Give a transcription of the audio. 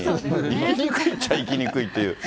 行きにくいっちゃ行きにくいっていう。